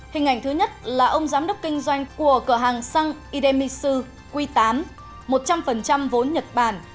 hình ảnh thứ nhất là ông giám đốc kinh doanh của cửa hàng xăng idemitsu q tám một trăm linh vốn nhật bản